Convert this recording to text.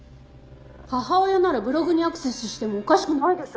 母親ならブログにアクセスしてもおかしくないでしょ。